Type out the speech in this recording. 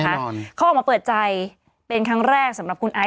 เขาออกมาเปิดใจเป็นครั้งแรกสำหรับคุณไอซ